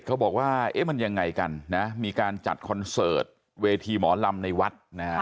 เขาบอกว่าเอ๊ะมันยังไงกันนะมีการจัดคอนเสิร์ตเวทีหมอลำในวัดนะฮะ